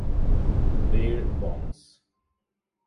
Bare Bones